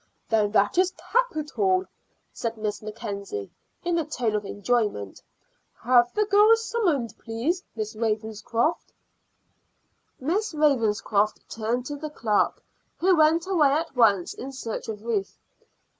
"Then that is capital," said Miss Mackenzie in a tone of enjoyment. "Have the girl summoned, please, Miss Ravenscroft." Miss Ravenscroft turned to the clerk, who went away at once in search of Ruth.